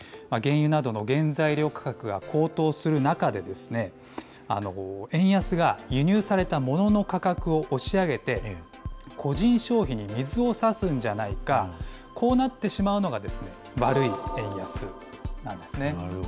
原油などの原材料価格が高騰する中で、円安が輸入されたものの価格を押し上げて、個人消費に水を差すんじゃないか、こうなってしまうのが、悪い円安なんですね。